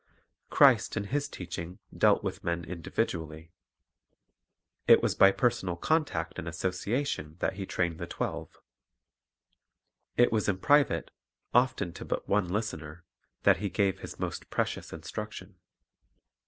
Christ in His teaching dealt with men individually. It was by personal contact and association that He trained the twelve. It was in private, often to but one listener, that He gave His most precious instruction.